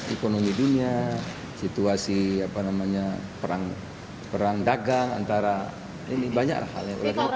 ekonomi dunia situasi perang dagang antara ini banyak hal yang